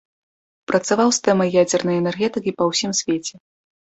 Працаваў з тэмай ядзернай энергетыкі па ўсім свеце.